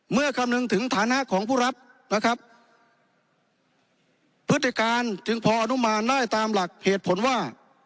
คำนึงถึงฐานะของผู้รับนะครับพฤติการจึงพออนุมานได้ตามหลักเหตุผลว่า